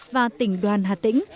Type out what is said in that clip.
và tỉnh đoàn hà tĩnh